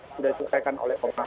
sudah diselesaikan oleh pemerintah